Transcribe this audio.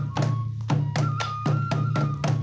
สวัสดีครับ